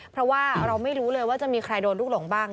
เพราะว่าเราไม่รู้เลยว่าจะมีใครโดนลูกหลงบ้าง